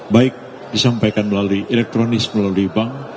baik disampaikan melalui elektronik melalui bank